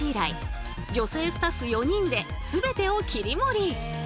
女性スタッフ４人で全てを切り盛り。